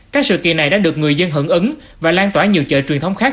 các sự kỳ này đã được người dân hưởng ứng và lan tỏa nhiều chợ truyền thống khác